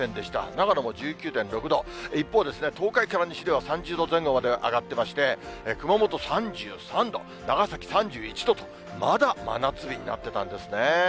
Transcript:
長野も１９．６度、一方、東海から西では３０度前後まで上がってまして、熊本３３度、長崎３１度と、まだ真夏日になってたんですね。